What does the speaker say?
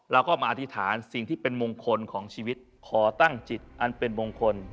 เราก็มาอธิษฐานสิ่งที่เป็นมงคลของชีวิตขอตั้งจิตอันเป็นมงคล